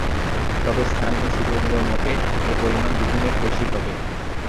তবে স্থানীয় সূত্রগুলোর মতে, এ পরিমাণ দ্বিগুণের বেশি হবে।